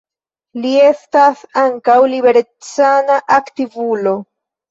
Li estas ankaŭ liberecana aktivulo.